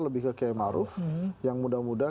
lebih ke kay ma'ruf yang muda muda